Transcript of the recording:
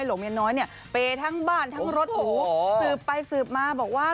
หลวงเมียน้อยเปรย์ทั้งบ้านทั้งรถสืบไปสืบมาบอกว่า